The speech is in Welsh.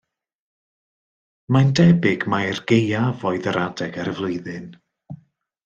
Mae'n debyg mai'r gaeaf oedd yr adeg ar y flwyddyn.